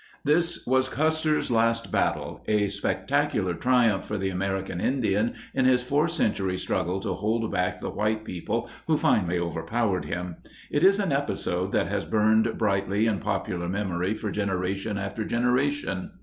This was "Custer's Last Battle"— a spectacular triumph for the American Indian in his four century struggle to hold back the white people who finally overpowered him. It is an episode that has burned brightly in popular memory for generation after generation.